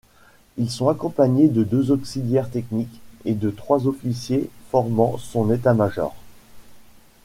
Ils sont accompagnés de deux auxiliaires technique et de trois officiers formant son état-major.